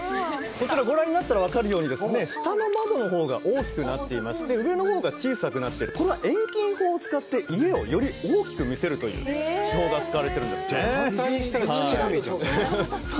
こちらご覧になったら分かるように下の窓のほうが大きくなっていまして上のほうが小さくなってるこれは遠近法を使って家をより大きく見せるという手法が使われてるんですね